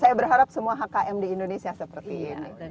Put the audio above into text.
saya berharap semua hkm di indonesia seperti ini